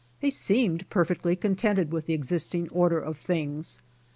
They seemed perfectly contented with the existing order of things.